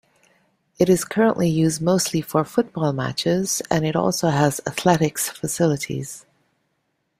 It is currently used mostly for football matches and it also has athletics facilities.